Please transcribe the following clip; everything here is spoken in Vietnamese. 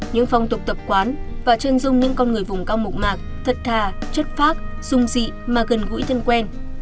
những phong tục tập quán và chân dung những con người vùng cao mộc mạc thật thà chất phác dung dị mà gần gũi thân quen